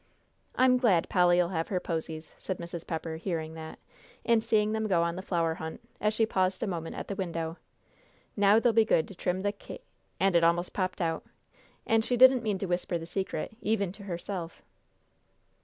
"I'm glad Polly'll have her posies," said Mrs. Pepper, hearing that, and seeing them go on the flower hunt, as she paused a moment at the window. "Now they'll be good to trim the ca " And it almost popped out, and she didn't mean to whisper the secret, even to herself!